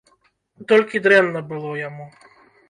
Толькі дрэнна было яму.